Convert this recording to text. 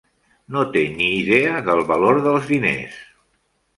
No té ni idea del valor dels diners.